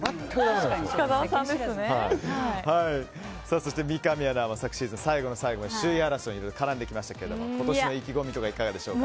そして、三上アナは昨シーズン最後の最後首位争いに絡んできましたけども今年の意気込みはいかがですか？